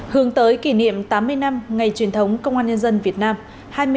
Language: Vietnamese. hướng tới kỷ niệm tám mươi năm ngày truyền thống công an nhân dân việt nam